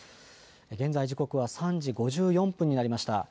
現在、時刻は３時５４分になりました。